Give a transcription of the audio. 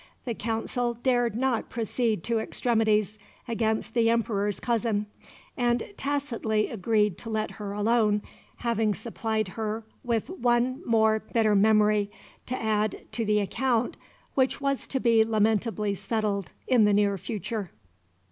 The Council dared not proceed to extremities against the Emperor's cousin, and tacitly agreed to let her alone, having supplied her with one more bitter memory to add to the account which was to be lamentably settled in the near future.